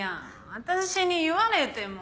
私に言われても。